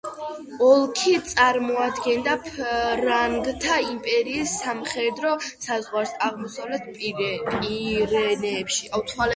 ოლქი წარმოადგენდა ფრანკთა იმპერიის სამხედრო საზღვარს აღმოსავლეთ პირენეებში.